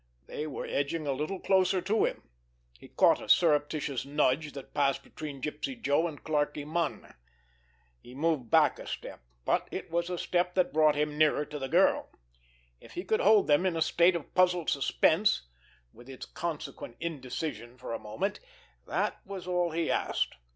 They were edging a little closer to him. He caught a surreptitious nudge that passed between Gypsy Joe and Clarkie Munn. He moved back a step—but it was a step that brought him nearer to the girl. If he could hold them in a state of puzzled suspense with its consequent indecision for a moment, that was all he asked.